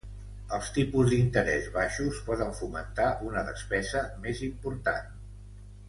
Els tipus d'interès baixos poden fomentar una despesa més important.